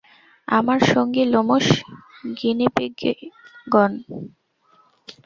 আমার সঙ্গী, লোমশ, গিনিপিগগণ।